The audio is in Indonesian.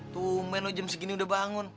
tuh men oh jam segini udah bangun